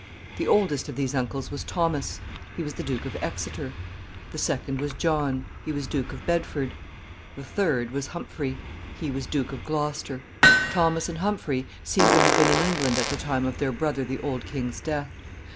The oldest of these uncles was Thomas. He was Duke of Exeter. The second was John. He was Duke of Bedford. The third was Humphrey. He was Duke of Gloucester. Thomas and Humphrey seem to have been in England at the time of their brother the old king's death.